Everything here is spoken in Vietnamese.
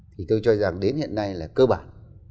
thì tôi cho rằng đến hiện nay là cơ bản